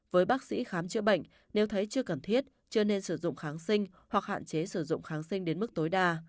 với bác sĩ khám chữa bệnh nếu thấy chưa cần thiết chưa nên sử dụng kháng sinh hoặc hạn chế sử dụng kháng sinh đến mức tối đa